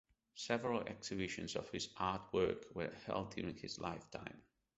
Several exhibitions of his artwork were held during his lifetime.